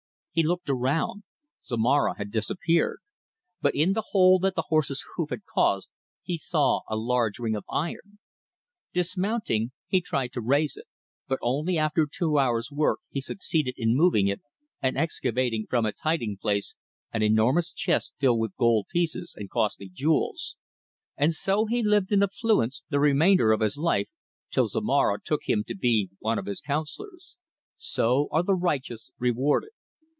He looked around; Zomara had disappeared, but in the hole that the horse's hoof had caused he saw a large ring of iron. Dismounting, he tried to raise it, but only after two hours' work he succeeded in moving it and excavating from its hiding place an enormous chest filled with gold pieces and costly jewels, and so he lived in affluence the remainder of his life, till Zomara took him to be one of his councillors. So are the righteous rewarded."